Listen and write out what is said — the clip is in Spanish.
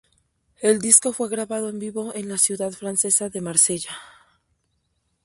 El disco fue grabado en vivo en la ciudad francesa de Marsella.